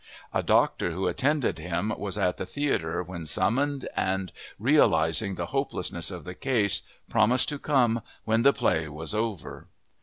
A doctor who attended him was at the theater when summoned and, realizing the hopelessness of the case, promised to come "when the play was over."